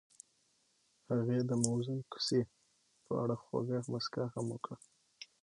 هغې د موزون کوڅه په اړه خوږه موسکا هم وکړه.